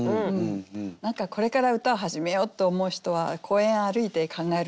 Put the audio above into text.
何かこれから歌を始めようって思う人は公園歩いて考えるかもしれないし。